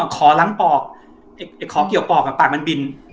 ขอล้างปอกขอเกี่ยวปอกปากมันบิน